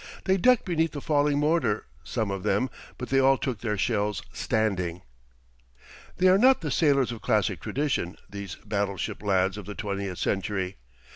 They ducked beneath the falling mortar, some of them, but they all took their shells standing. They are not the sailors of classic tradition, these battleship lads of the twentieth century.